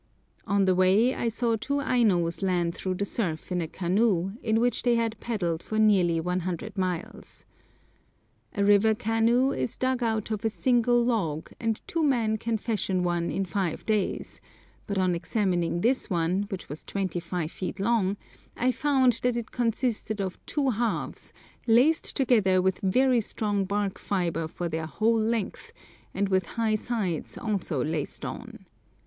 On the way I saw two Ainos land through the surf in a canoe, in which they had paddled for nearly 100 miles. A river canoe is dug out of a single log, and two men can fashion one in five days; but on examining this one, which was twenty five feet long, I found that it consisted of two halves, laced together with very strong bark fibre for their whole length, and with high sides also laced on.